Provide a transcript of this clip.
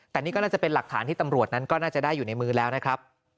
แต่นี่ก็น่าจะเป็นหลักฐานที่ตำรวจนั้นก็น่าจะได้อยู่ในมือแล้วนะครับ